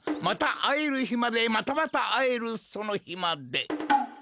またあえるひまでまたまたあえるそのひまで。